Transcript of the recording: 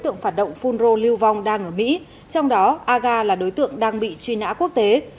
tượng phản động phun rô lưu vong đang ở mỹ trong đó aga là đối tượng đang bị truy nã quốc tế